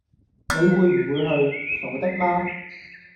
你會唔會去？傻的嗎